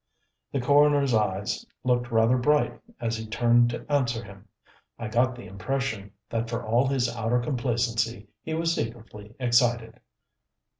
The coroner's eyes looked rather bright as he turned to answer him. I got the impression that for all his outer complacency he was secretly excited.